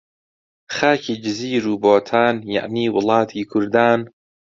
خاکی جزیر و بۆتان، یەعنی وڵاتی کوردان